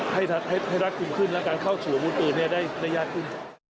ให้รักษณ์ขึ้นและเข้าสื่อวลอีกได้ยากขึ้น